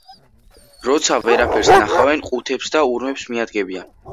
როცა ვერაფერს ნახავენ ყუთებს და ურემს მიადგებიან.